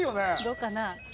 どうかな？